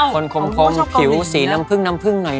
คนคมผิวสีน้ำผึ้งน้ำผึ้งหน่อย